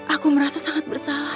aku merasa sangat bersalah